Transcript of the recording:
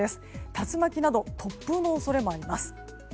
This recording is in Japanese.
竜巻など突風の恐れもあります。